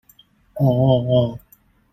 喔喔喔